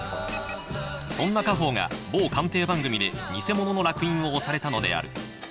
そんな家宝が某鑑定番組で偽物のらく印を押されたのである。